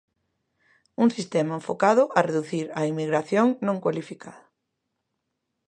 Un sistema enfocado a reducir a inmigración non cualificada.